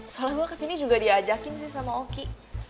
soalnya gue kesini juga diajakin sih sama oki